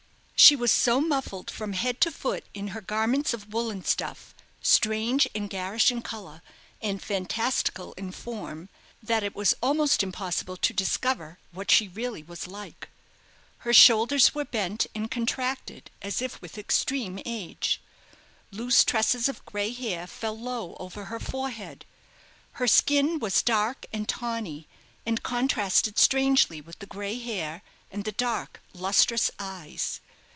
She was so muffled from head to foot in her garments of woollen stuff, strange and garish in colour, and fantastical in form, that it was almost impossible to discover what she really was like. Her shoulders were bent and contracted as if with extreme age. Loose tresses of gray hair fell low over her forehead. Her skin was dark and tawny; and contrasted strangely with the gray hair and the dark lustrous eyes.